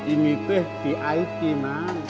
ini teh di it man